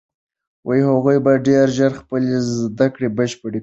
هغوی به ډېر ژر خپلې زده کړې بشپړې کړي.